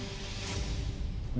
dalam organisasi apapun